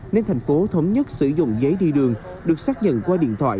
nên thành phố thống nhất sử dụng giấy đi đường được xác nhận qua điện thoại